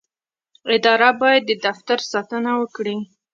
اداره باید د دې دفتر ساتنه وکړي.